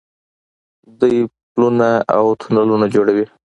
دوی پلونه او تونلونه جوړوي.